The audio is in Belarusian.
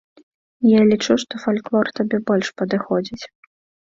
І я лічу, што фальклор табе больш падыходзіць.